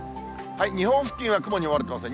日本付近は雲に覆われてますね。